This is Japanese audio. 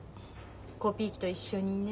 コピー機と一緒にね。